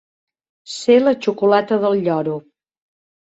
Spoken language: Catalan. Ser la xocolata del lloro.